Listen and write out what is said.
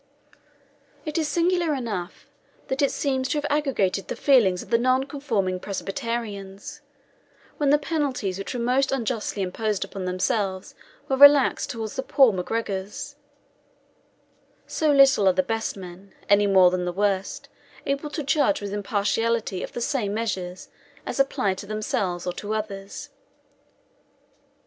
It is singular enough, that it seems to have aggravated the feelings of the non conforming Presbyterians, when the penalties which were most unjustly imposed upon themselves were relaxed towards the poor MacGregors; so little are the best men, any more than the worst, able to judge with impartiality of the same measures, as applied to themselves, or to others.